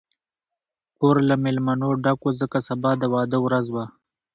کور له مېلمنو ډک و، ځکه سبا د واده ورځ وه.